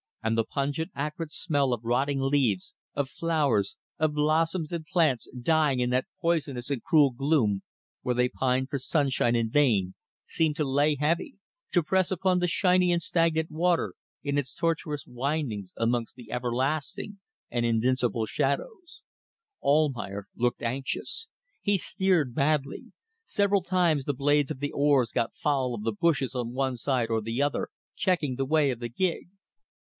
And the pungent, acrid smell of rotting leaves, of flowers, of blossoms and plants dying in that poisonous and cruel gloom, where they pined for sunshine in vain, seemed to lay heavy, to press upon the shiny and stagnant water in its tortuous windings amongst the everlasting and invincible shadows. Almayer looked anxious. He steered badly. Several times the blades of the oars got foul of the bushes on one side or the other, checking the way of the gig.